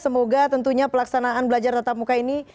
semoga tentunya pelaksanaan belajar tatap muka ini